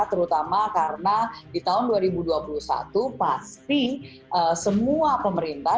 terutama karena di tahun dua ribu dua puluh satu pasti semua pemerintah